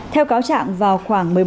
theo cáo trạng vào khoảng